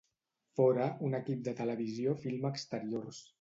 Fora, un equip de televisió filma exteriors.